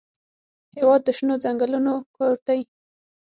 هېواد د شنو ځنګلونو کور دی.